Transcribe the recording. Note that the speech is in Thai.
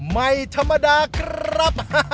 ไม่ธรรมดาครับ